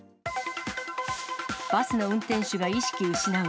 バスの運転手が意識失う。